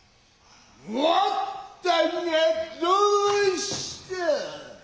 割ったがどうした。